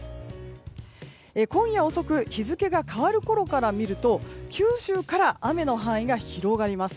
今夜遅く日付が変わるころから見ると九州から雨の範囲が広がります。